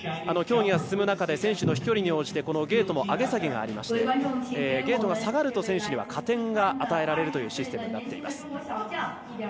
競技が進む中で選手の飛距離に応じてゲートの上げ下げがありましてゲートが下がると選手には加点が与えられるというシステムになっています。